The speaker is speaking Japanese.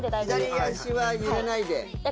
左脚は揺れないでで